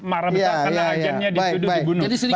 marah betul karena agennya dituduh dibunuh